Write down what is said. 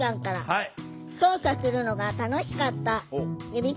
はい。